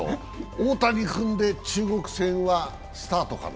大谷君で中国戦はスタートかな？